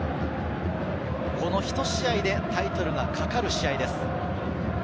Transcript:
１試合でタイトルがかかる試合です。